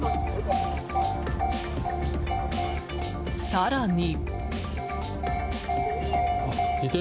更に。